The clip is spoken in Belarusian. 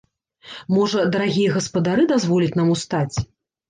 Можа, дарагія гаспадары дазволяць нам устаць?